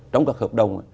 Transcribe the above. trong các hợp đồng